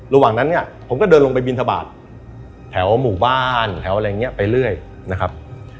ระหว่างนั้นเนี่ยผมก็เดินลงไปบินทบาทแถวหมู่บ้านแถวอะไรอย่างนี้ไปเรื่อยนะครับ